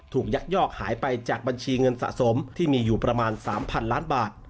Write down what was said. ยักยอกหายไปจากบัญชีเงินสะสมที่มีอยู่ประมาณ๓๐๐๐ล้านบาท